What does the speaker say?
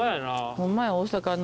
ホンマや大阪の。